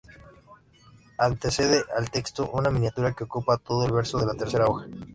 Antecede al texto una miniatura que ocupa todo el verso de la tercera hoja.